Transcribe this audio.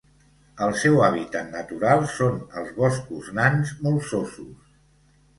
El seu hàbitat natural són els boscos nans molsosos.